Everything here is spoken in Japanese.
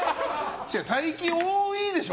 最近、多いでしょ？